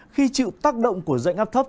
khi chịu tác động của dãy áp thấp